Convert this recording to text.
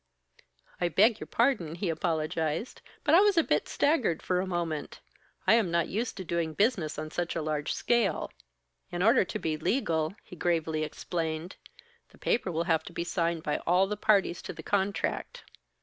"I beg your pardon!" he apologized, "but I was a bit staggered for a moment. I am not used to doing business on such a large scale. In order to be legal," he gravely explained, "the paper will have to be signed by all the parties to the contract.